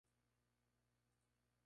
Habita en Laos, Vietnam.